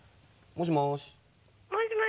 ☎もしもし？